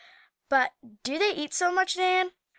"But do they eat so much, Nan?"